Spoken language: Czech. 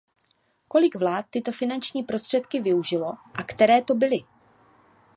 Kolik vlád tyto finanční prostředky využilo a které to byly?